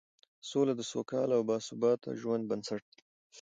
سوله د سوکاله او باثباته ژوند بنسټ دی